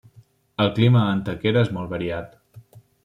El clima a Antequera és molt variat.